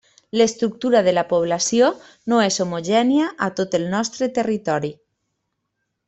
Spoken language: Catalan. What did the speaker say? L'estructura de la població no és homogènia a tot el nostre territori.